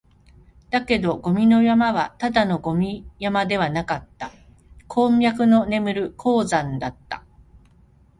だけど、ゴミの山はただのゴミ山ではなかった、鉱脈の眠る鉱山だった